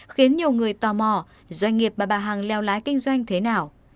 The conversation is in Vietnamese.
khiến nhiều người tò mò doanh nghiệp bà bà hằng leo lái kinh doanh thế nào